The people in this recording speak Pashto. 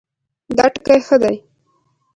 دا ټکی ښه دی